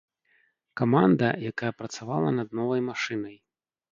Каманда, якая працавала над новай машынай.